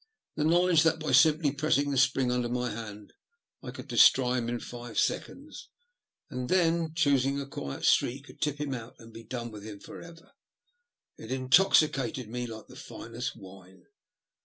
The knowledge that by simply pressing the spring under my hand I could destroy him in five seconds, and then choosing a quiet street eould tip him out and be done with him for ever, in toxicated me like the finest wine.